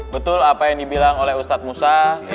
betul apa yang dibilang oleh ustadz musa